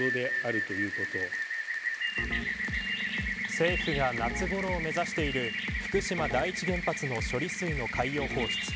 政府が夏ごろを目指している福島第一原発の処理水の海洋放出。